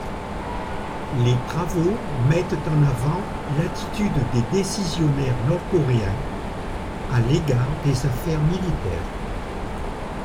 Les travaux mettent en avant l'attitude des décisionnaires nord-coréens à l'égard des affaires militaires.